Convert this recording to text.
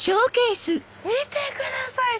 見てください！